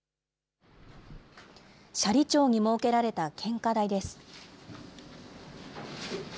斜里町に設けられた献花台です。